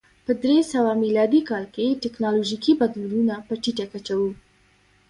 په درې سوه میلادي کال کې ټکنالوژیکي بدلونونه په ټیټه کچه و.